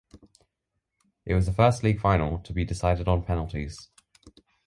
It was the first league final to be decided on penalties.